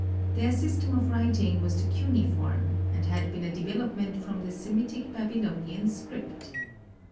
Their system of writing was the cuneiform, and had been a development from the Semitic Babylonian script.